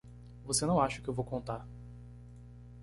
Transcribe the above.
Você não acha que eu vou contar!